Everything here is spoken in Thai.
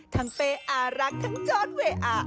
ทั้งเป๊อรักทั้งจอดเวอร์